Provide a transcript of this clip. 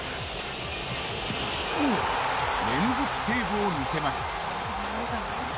連続セーブを見せます。